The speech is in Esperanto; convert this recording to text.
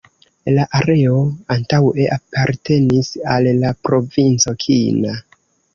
La areo antaŭe apartenis al la provinco Kina.